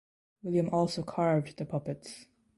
William also carved the puppets.